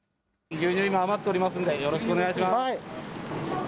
牛乳が今、余っておりますんで、よろしくお願いします。